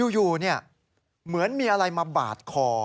อยู่เหมือนมีอะไรมาบาดคอ